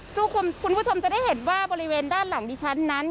คุณผู้ชมจะได้เห็นว่าบริเวณด้านหลังดิฉันนั้น